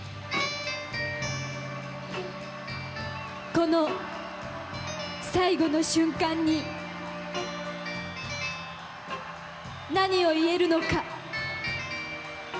この最後の瞬間に何を言えるのか。